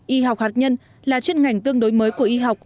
y học hạt nhân là chuyên ngành tương đối mới của y học